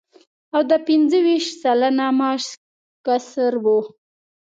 او د پنځه ویشت سلنه معاش کسر و